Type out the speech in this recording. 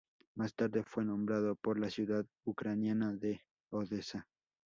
Más tarde fue nombrado por la ciudad ucraniana de Odesa.